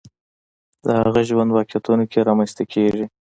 د هغه ژوند واقعیتونو کې رامنځته کېږي